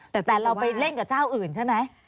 แต่เราไปเล่นกับเจ้าอื่นใช่ไหม